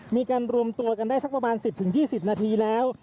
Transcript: มีการรวมตัวกันได้๑๐๒๐นาทีแล้ว